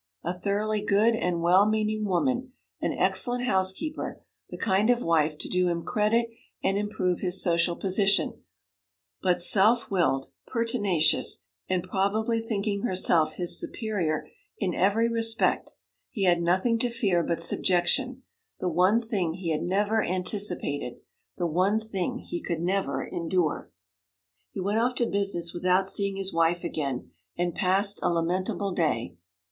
A thoroughly good and well meaning woman, an excellent housekeeper, the kind of wife to do him credit and improve his social position; but self willed, pertinacious, and probably thinking herself his superior in every respect. He had nothing to fear but subjection the one thing he had never anticipated, the one thing he could never endure. He went off to business without seeing his wife again, and passed a lamentable day.